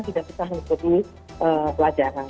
tidak bisa mengikuti pelajaran